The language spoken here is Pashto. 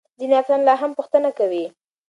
ځینې افسران لا هم پوښتنه کوي.